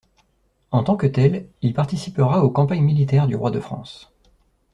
En tant que tel, il participera aux campagnes militaires du roi de France.